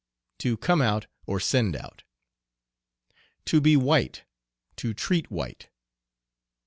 To come out, or send out. "To be white," "To treat white."